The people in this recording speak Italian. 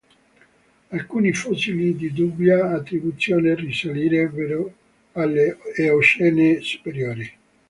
Alcuni fossili di dubbia attribuzione risalirebbero all'Eocene superiore.